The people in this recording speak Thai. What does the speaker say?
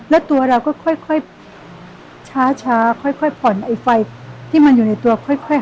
แล้วตัวเราก็ค่อยช้าค่อยผ่อนไอ้ไฟที่มันอยู่ในตัวค่อย